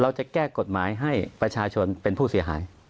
จะแก้กฎหมายให้ประชาชนเป็นผู้เสียหาย